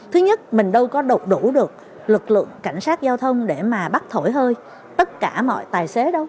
thứ nhất mình đâu có đục đủ được lực lượng cảnh sát giao thông để mà bắt thổi hơi tất cả mọi tài xế đâu